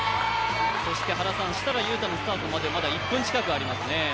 設楽悠太のスタートまであと１分近くありますね。